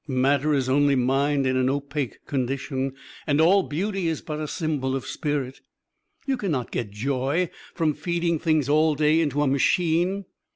Matter is only mind in an opaque condition; and all beauty is but a symbol of spirit. You can not get joy from feeding things all day into a machine.